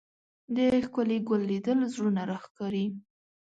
د ښکلي ګل لیدل زړونه راښکاري